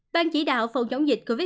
ban chỉ đạo phòng chống dịch covid một mươi